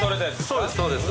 そうですそうです。